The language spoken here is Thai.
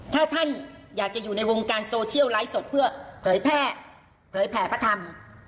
ถ้าท่านอยากจะอยู่ในวงการโซเชียลไลฟ์สดเพื่อเผยแพร่เผยแผ่พระธรรม